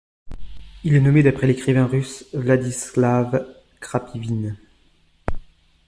Il est nommé d'après l'écrivain russe Vladislav Krapivine.